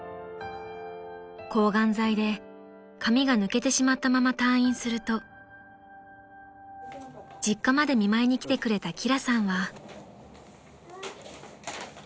［抗がん剤で髪が抜けてしまったまま退院すると実家まで見舞いに来てくれた輝さんは］